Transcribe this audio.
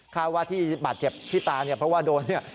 คาดว่าที่บาดเจ็บที่ตาเนี่ยเพราะว่าโดนเนี่ย